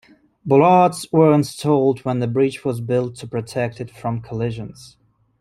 Bollards were installed when the bridge was built to protect it from collisions.